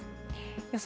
予想